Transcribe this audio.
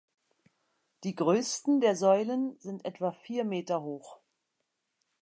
Die größten der Säulen sind etwa vier Meter hoch.